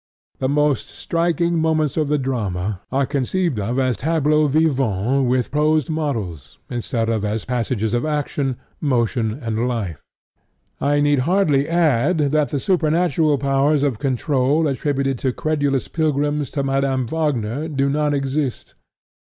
The most striking moments of the drama are conceived as tableaux vivants with posed models, instead of as passages of action, motion and life. I need hardly add that the supernatural powers of control attributed by credulous pilgrims to Madame Wagner do not exist.